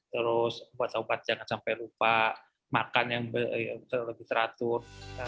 terus obat jangan sampai lupa makan yang lebih teratur